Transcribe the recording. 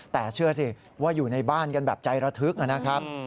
แต่เชื่อสิว่าอยู่ในบ้านกันแบบใจระทึกนะครับ